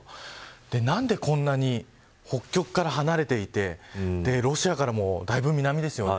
何でこんなに北極から離れていてロシアからもだいぶ南ですよね。